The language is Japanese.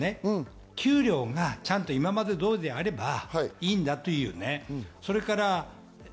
給料が今まで通りであればいいんだというね。